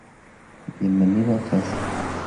Bienvenido a casa.